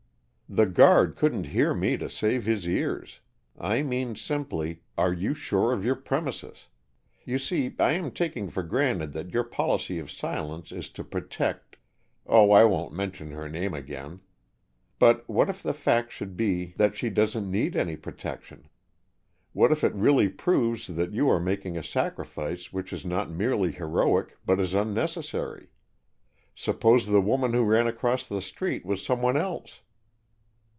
"The guard couldn't hear me to save his ears. I mean simply, are you sure of your premises? You see, I am taking for granted that your policy of silence is to protect oh, I won't mention her name again. But what if the facts should be that she doesn't need any protection? What if it really proves that you are making a sacrifice which is not merely heroic but is unnecessary? Suppose the woman who ran across the street was someone else?"